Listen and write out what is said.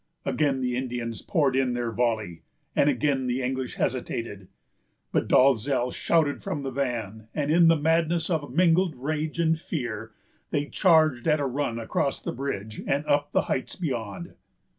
Again the Indians poured in their volley, and again the English hesitated; but Dalzell shouted from the van, and, in the madness of mingled rage and fear, they charged at a run across the bridge and up the heights beyond.